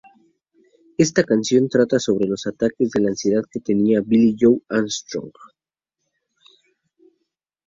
Esta canción trata sobre los ataques de ansiedad que tenía Billie Joe Armstrong.